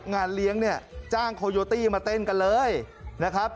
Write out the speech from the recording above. งานเลี้ยงเนี่ยจ้างโคโยตี้มาเต้นกันเลยนะครับ